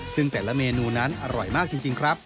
ซึ่งแต่ละเมนูนั้นอร่อยมากจริงครับ